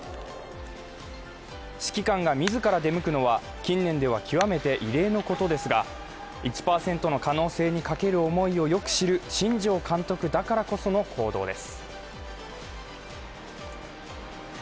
指揮官が自ら出向くのは近年では極めて異例のことですが１％の可能性にかける思いをよく知る新庄監督だからこその行動です。